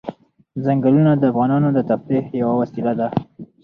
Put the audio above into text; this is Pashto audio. ځنګلونه د افغانانو د تفریح یوه وسیله ده.